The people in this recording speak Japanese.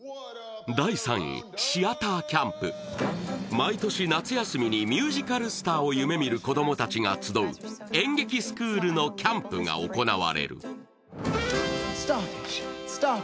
毎年、夏休みにミュージカルスターを夢見る子供たちが集う演劇スクールのキャンプが行われる。